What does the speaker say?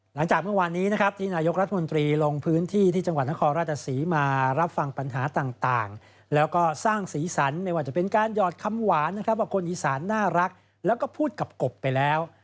หลังจากเมื่อวานนี้นะครับที่นายกรัฐมนตรีลงพื้นที่ที่จังหวัดนครราชศรีมารับฟังปัญหาต่างแล้วก็สร้างสีสันไม่ว่าจะเป็นการหยอดคำหวานนะครับว่าคนอีสานน่ารักแล้วก็พูดกับกบไปแล้ว